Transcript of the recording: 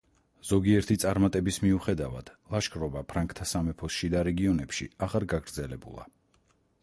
ზოგიერთი წარმატების მიუხედავად, ლაშქრობა ფრანკთა სამეფოს შიდა რეგიონებში აღარ გაგრძელებულა.